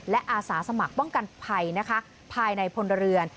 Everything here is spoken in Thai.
และอาสาสมัครป้องกันภัยนะคะภายในพลเรือน